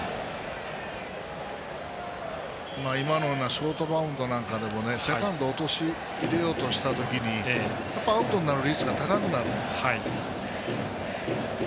今のようなショートバウンドなんかでもセカンドを陥れようとした時にアウトになる率が高くなる。